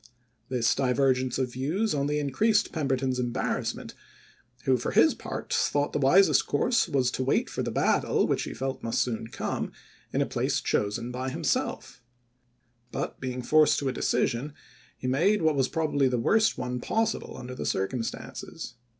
This divergence of views only increased Pemberton's embarrassment, who, for his part, thought the wisest course was to wait for the battle, which he felt must soon come, in a place chosen by him self ; but, being forced to a decision, he made what was probably the worst one possible under the cir cumstances.